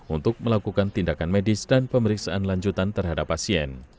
untuk melakukan tindakan medis dan pemeriksaan lanjutan terhadap pasien